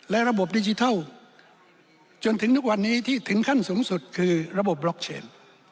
และระบบดิจิทัลจนถึงทุกวันนี้ที่ถึงขั้นสูงสุดคือระบบบล็อกเชน